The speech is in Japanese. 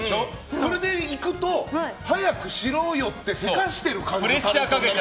それで行くと早くしろよってせかしてる感じが。